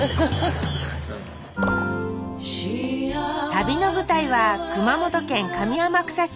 旅の舞台は熊本県上天草市。